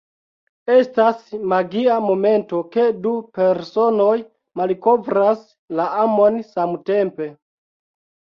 Estas magia momento ke du personoj malkovras la amon samtempe.